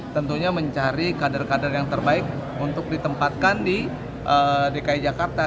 tentunya mencari kader kader yang terbaik untuk ditempatkan di dki jakarta